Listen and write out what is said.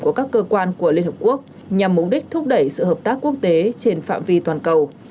của các cơ quan của liên hợp quốc nhằm mục đích thúc đẩy sự hợp tác quốc tế trên phạm vi toàn cầu